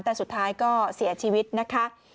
แต่สุดท้ายก็เสียชีวิตนะคะ